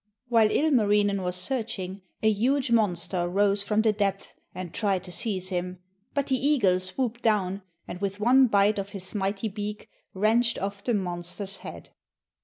While Ilmarinen was searching, a huge monster rose from the depths and tried to seize him, but the eagle swooped down, and with one bite of his mighty beak, wrenched off the monster's head.